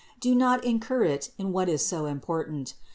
Do not incur it in what is so important.